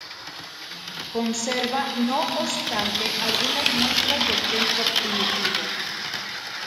Conserva, no obstante, algunas muestras del templo primitivo.